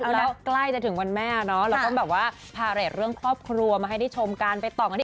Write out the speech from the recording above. แล้วใกล้จะถึงวันแม่เนาะเราก็แบบว่าพาเรทเรื่องครอบครัวมาให้ได้ชมกันไปต่อกันที่